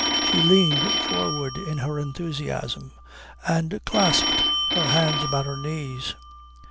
She leaned forward in her enthusiasm and clasped her hands about her knees.